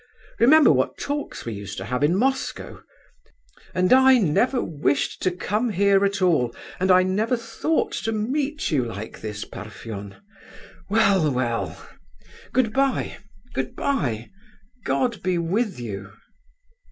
Remember what talks we used to have in Moscow! And I never wished to come here at all; and I never thought to meet you like this, Parfen! Well, well—good bye—good bye! God be with you!"